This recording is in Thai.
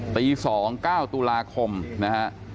ตี๒กล้าวตุลาคมนะฮะ